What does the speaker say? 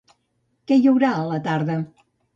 Què hi haurà a la tarda?